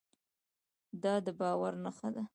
دا د باور نښه ده.